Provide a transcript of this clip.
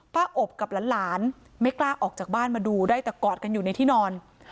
อบกับหลานไม่กล้าออกจากบ้านมาดูได้แต่กอดกันอยู่ในที่นอน